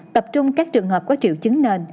tập trung các trường hợp có triệu chứng nền